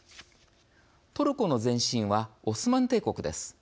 トルコの前身はオスマン帝国です。